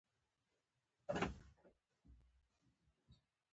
بلوا او بغاوت ته زمینه برابروي.